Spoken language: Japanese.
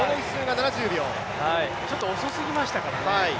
ちょっと遅すぎましたからね。